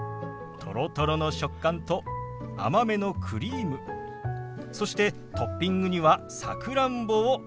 とろとろの食感と甘めのクリームそしてトッピングにはさくらんぼをのせてみました。